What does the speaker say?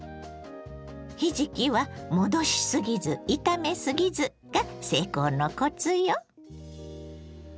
ひじきは戻しすぎず炒めすぎずが成功のコツよ！